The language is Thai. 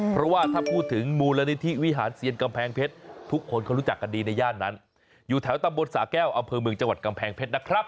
เพราะว่าถ้าพูดถึงมูลนิธิวิหารเซียนกำแพงเพชรทุกคนเขารู้จักกันดีในย่านนั้นอยู่แถวตำบลสาแก้วอำเภอเมืองจังหวัดกำแพงเพชรนะครับ